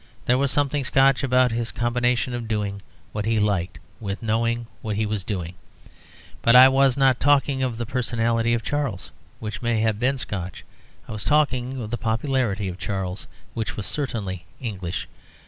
There was something Scotch about his combination of doing what he liked with knowing what he was doing. But I was not talking of the personality of Charles, which may have been Scotch. I was talking of the popularity of Charles, which was certainly English.